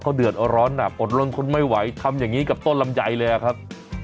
เขาเดือดร้อนหนักอดลนทนไม่ไหวทำอย่างนี้กับต้นลำไยเลยครับ